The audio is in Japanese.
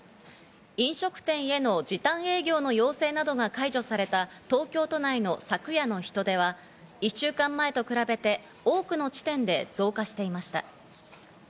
飲食店への時短営業の要請などが解除された東京都内の昨夜の人出は１週間前と比べて多くの地点で増加していました。